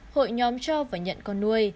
hội nhóm cho và nhận con nuôi